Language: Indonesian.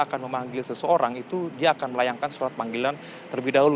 akan memanggil seseorang itu dia akan melayangkan surat panggilan terlebih dahulu